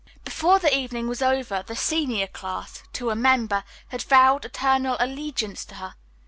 Before the evening was over the senior class, to a member, had vowed eternal allegiance to her.